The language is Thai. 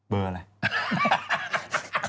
เบอร์อะไร